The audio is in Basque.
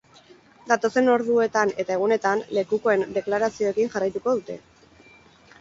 Datozen orduetan eta egunetan, lekukoen deklarazioekin jarraituko dute.